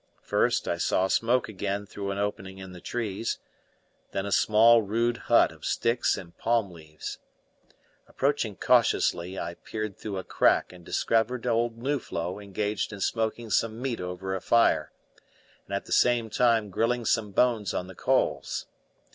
First I saw smoke again through an opening in the trees, then a small rude hut of sticks and palm leaves. Approaching cautiously, I peered through a crack and discovered old Nuflo engaged in smoking some meat over a fire, and at the same time grilling some bones on the coals.